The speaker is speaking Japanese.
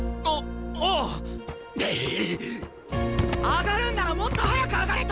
上がるんならもっと早く上がれ冨樫！